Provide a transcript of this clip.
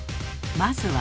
まずは。